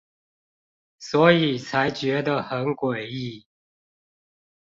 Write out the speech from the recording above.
所以才覺得很詭異